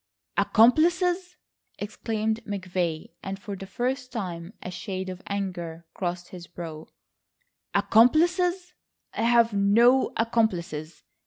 "'Accomplices!'" exclaimed McVay; and for the first time a shade of anger crossed his brow; "'accomplices'! I have no accomplices.